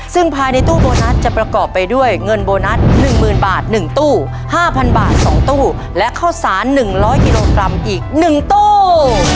ซึ่งภายในตู้โบนัสจะประกอบไปด้วยเงินโบนัส๑๐๐๐บาท๑ตู้๕๐๐บาท๒ตู้และข้าวสาร๑๐๐กิโลกรัมอีก๑ตู้